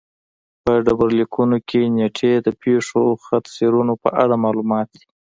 په ډبرلیکونو کې نېټې د پېښو خط سیرونو په اړه معلومات دي